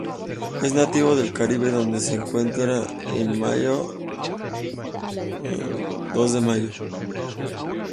Es nativa del Caribe donde se encuentra en Cuba y la Hispaniola.